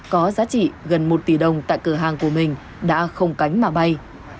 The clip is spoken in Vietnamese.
có giá trị gần một tỷ đồng tại cửa hàng của mình đã không cánh mà bay